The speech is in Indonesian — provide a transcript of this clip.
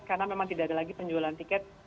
karena memang tidak ada lagi penjualan tiket